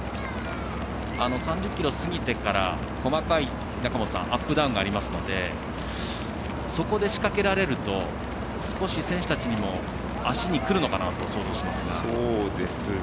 ３０ｋｍ過ぎてから中本さん、細かいアップダウンがありますのでそこで仕掛けられると少し選手たちも足にくるのかなと想像しますが。